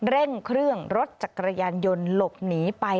เร่งเครื่องรถจักรยานยนต์หลบหนีไป